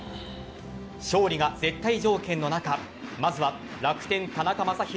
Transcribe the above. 勝利が絶対条件の中まずは楽天・田中将大